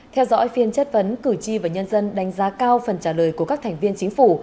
theo dõi phiên chất vấn cử tri và nhân dân đánh giá cao phần trả lời của các thành viên chính phủ